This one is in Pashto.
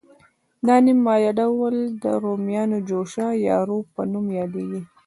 دا نیم مایع ډول د رومیانو جوشه یا روب په نوم یادیږي.